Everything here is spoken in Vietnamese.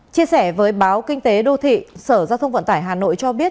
chia sẻ với báo kinh tế đô thị sở giao thông vận tải hà nội cho biết